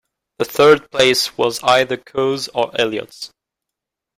The third place was either Coe's or Elliott's.